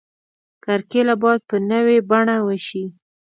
کرکیله باید په نوې بڼه وشي.